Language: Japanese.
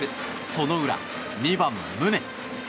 その裏、２番、宗。